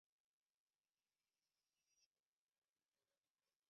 多刺仿刺铠虾为铠甲虾科仿刺铠虾属下的一个种。